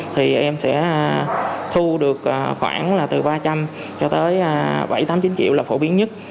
thì em sẽ thu được khoảng là từ ba trăm linh cho tới bảy tám mươi chín triệu là phổ biến nhất